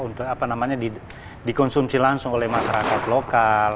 untuk apa namanya dikonsumsi langsung oleh masyarakat lokal